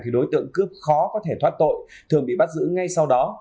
thì đối tượng cướp khó có thể thoát tội thường bị bắt giữ ngay sau đó